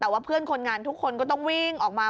วันงานทุกคนก็ต้องวิ่งออกมา